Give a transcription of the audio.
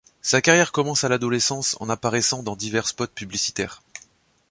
Sa carrière commence à l’adolescence en apparaissant dans divers spots publicitaires.